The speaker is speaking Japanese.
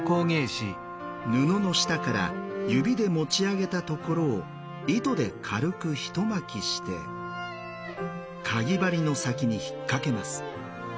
布の下から指で持ち上げたところを糸で軽く一巻きしてカギ針の先に引っ掛けます。